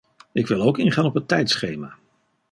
Ik wil ook ingaan op het tijdschema.